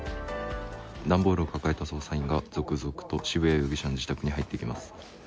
段ボールを抱えた捜査員が続々と渋谷容疑者の自宅に入っていきます。